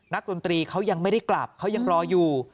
ดนตรีเขายังไม่ได้กลับเขายังรออยู่